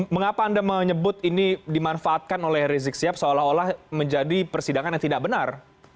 mengapa anda menyebut ini dimanfaatkan oleh rizik sihab seolah olah menjadi persidangan yang tidak benar